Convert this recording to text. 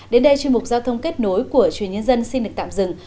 đến đây chuyên mục giao thông kết nối của truyền nhân dân xin được tạm dừng